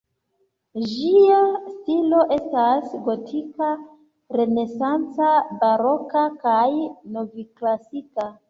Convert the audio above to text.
Ĝia stilo estas gotika, renesanca, baroka kaj novklasika.